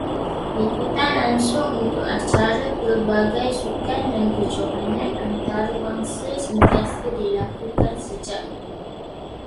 Liputan langsung untuk acara pelbagai sukan dan kejohanan antarabangsa sentiasa dilakukan sejak itu.